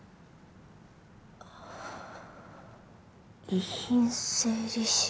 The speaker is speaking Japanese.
遺品整理士。